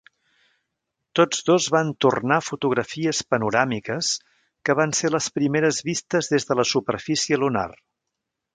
Tots dos van tornar fotografies panoràmiques que van ser les primeres vistes des de la superfície lunar.